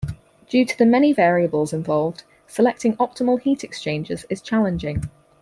Due to the many variables involved, selecting optimal heat exchangers is challenging.